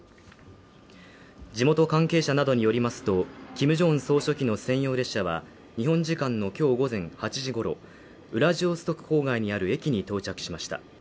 地元関係者などによりますとキム・ジョンウン総書記の専用列車は日本時間のきょう午前８時ごろウラジオストク郊外にある駅に到着しました